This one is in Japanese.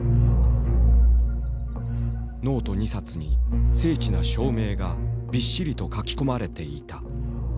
ノート２冊に精緻な証明がびっしりと書き込まれていた。